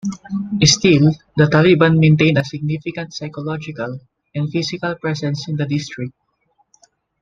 Still, the Taliban maintain a significant psychological and physical presence in the district.